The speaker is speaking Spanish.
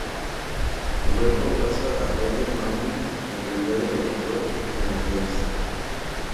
Luego pasa a Radio Mambí en calidad de locutor y comentarista.